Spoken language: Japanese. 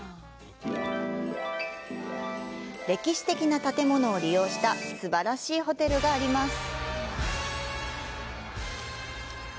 歴史的な建物を利用したすばらしいホテルがあります。